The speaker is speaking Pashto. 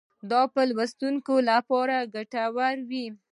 دا به د لوستونکو لپاره ګټور وي.